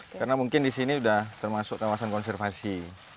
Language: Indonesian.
karena mungkin disini sudah termasuk kewasan konservasi